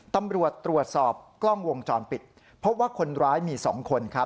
ตำรวจตรวจสอบกล้องวงจรปิดเพราะว่าคนร้ายมีสองคน